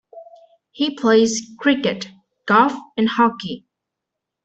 He plays cricket, golf and hockey.